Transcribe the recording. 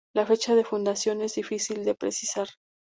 La fecha de fundación es difícil de precisar.